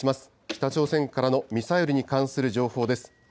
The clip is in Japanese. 北朝鮮からのミサイルに関する情報です。